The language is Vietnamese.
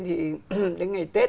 thì đến ngày tết